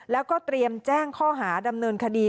แล้วก็เตรียมแจ้งข้อหาดำเนินคดี